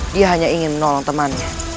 dia hanya ingin menolong temannya